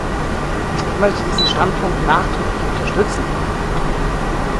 Ich möchte diesen Standpunkt nachdrücklich unterstützen.